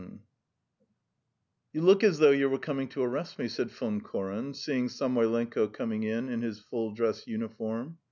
XI "You look as though you were coming to arrest me," said Von Koren, seeing Samoylenko coming in, in his full dress uniform.